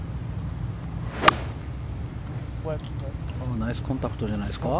ナイスコンタクトじゃないですか？